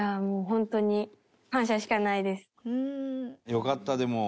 よかったでも。